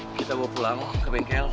kita bawa pulang ke bengkel